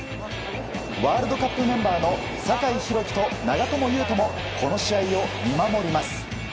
ワールドカップメンバーの酒井宏樹と長友佑都もこの試合を見守ります。